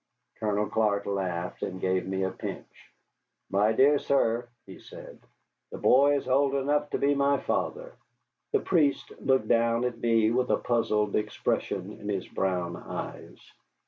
Colonel Clark laughed and gave me a pinch. "My dear sir," he said, "the boy is old enough to be my father." The priest looked down at me with a puzzled expression in his brown eyes.